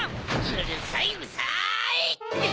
うるさいうるさい！